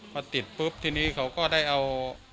พอติดปุ๊บทีนี้เขาก็ได้เอา